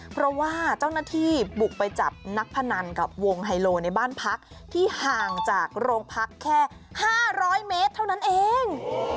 เพราะว่าเจ้าหน้าที่บุกไปจับนักพนันกับวงไฮโลในบ้านพักที่ห่างจากโรงพักแค่๕๐๐เมตรเท่านั้นเอง